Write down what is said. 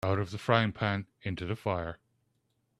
Out of the frying-pan into the fire.